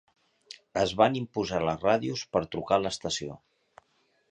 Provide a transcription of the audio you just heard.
Es van imposar les ràdios per trucar a l'estació.